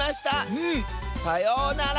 うん！さようなら！